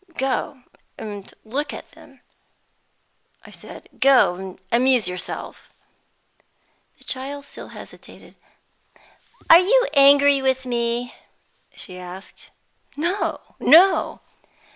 "Go and look at them," I said, "go and amuse yourself." The child still hesitated. "Are you angry with me?" she asked. "No, no!"